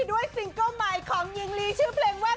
ซิงเกิ้ลใหม่ของหญิงลีชื่อเพลงว่า